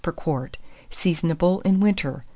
per quart. Seasonable in winter.